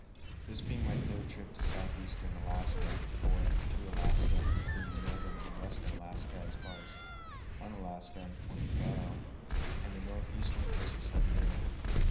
this being my third trip to southeastern Alaska and fourth to Alaska, including northern and western Alaska as far as Unalaska and Pt. Barrow and the northeastern coast of Siberia.